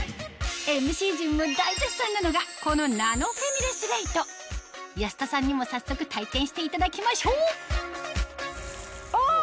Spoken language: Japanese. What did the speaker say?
ＭＣ陣も大絶賛なのがこの保田さんにも早速体験していただきましょうあっ！